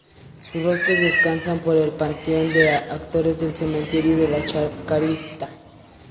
Sus restos descansan en el Panteón de Actores del Cementerio de la Chacarita.